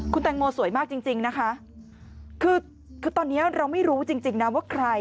คุณแตงโมสวยมากจริงจริงนะคะคือคือตอนนี้เราไม่รู้จริงจริงนะว่าใคร